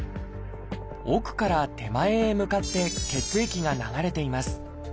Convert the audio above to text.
奥から手前へ向かって血液が流れています。